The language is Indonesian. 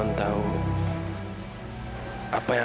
oke endah saya udah tanya buat non